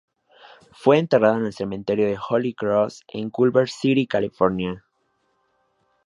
Fue enterrado en el Cementerio de Holy Cross en Culver City, California.